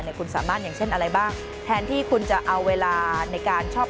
คุณสามารถอย่างเช่นอะไรบ้างแทนที่คุณจะเอาเวลาในการชอบ